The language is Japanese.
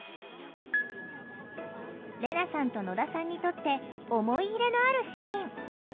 レナさんと野田さんにとって思い入れのあるシーン。